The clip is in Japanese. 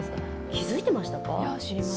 気付いてましたか？